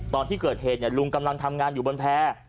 ตอนที่เกิดเหตุลุงกำลังทำงานอยู่บนแพร่